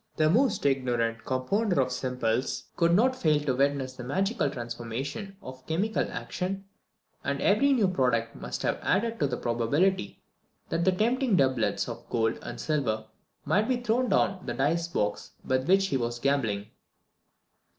The most ignorant compounder of simples could not fail to witness the magical transformations of chemical action; and every new product must have added to the probability that the tempting doublets of gold and silver might be thrown from the dice box with which he was gambling.